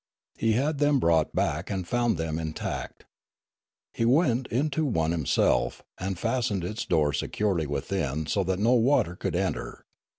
He had them brought back, and found them intact. He went into one him self, and fastened its door securely within so that no water could enter.